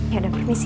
ya udah permisi